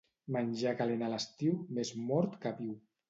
Menjar calent a l'estiu, més mort que viu.